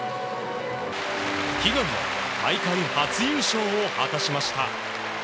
悲願の大会初優勝を果たしました。